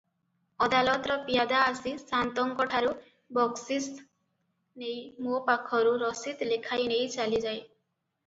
ଅଦାଲତର ପିଆଦା ଆସି ସାଆନ୍ତଙ୍କଠାରୁ ବକ୍ସିସ ନେଇ ମୋ ପାଖରୁ ରସିଦ ଲେଖାଇନେଇ ଚାଲିଯାଏ ।